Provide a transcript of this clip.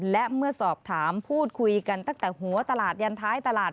และเมื่อสอบถามพูดคุยกันตั้งแต่หัวตลาดยันท้ายตลาด